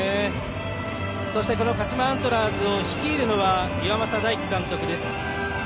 そして鹿島アントラーズを率いるのは岩政大樹監督です。